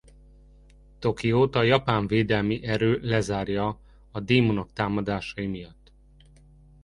Tokiót a Japán Védelmi Erő lezárja a démonok támadásai miatt.